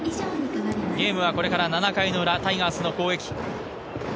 ゲームはこれから７回の裏、タイガースの攻撃。